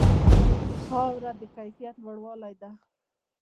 د خاورې د کیفیت لوړوالې دی.